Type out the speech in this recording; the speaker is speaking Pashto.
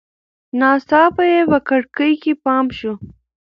ناڅاپه یې په کړکۍ کې پام شو.